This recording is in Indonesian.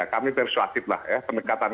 kami persuasif lah ya pendekatan